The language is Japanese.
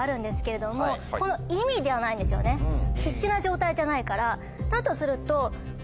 必死な状態じゃないからだとすると。